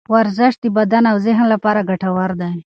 ورزش د بدن او ذهن لپاره ګټور دی.